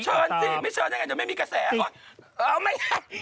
เชิญสิไม่เชิญนั่นงั้นจะมีกระแส